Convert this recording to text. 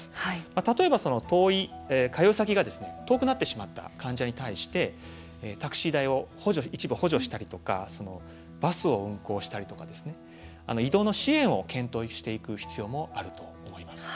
例えば、通い先が遠くなってしまった患者に対してタクシー代を一部補助したりとかバスを運行したりですとか移動の支援を検討していく必要もあると思います。